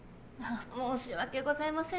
申し訳ございません。